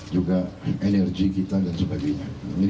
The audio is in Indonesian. juga energi kita dan sebagainya